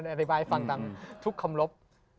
อาริบายฟังดังทุกข้ำลบ